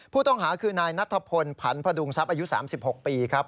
ผู้ต้องหาคือนายนัทพลผันพดุงทรัพย์อายุ๓๖ปีครับ